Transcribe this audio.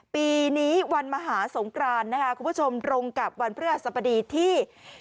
ปีนี้วันมหาสงกรานนะคะคุณผู้ชมตรงกับวันพฤหัสบดีที่